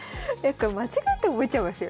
間違って覚えちゃいますよ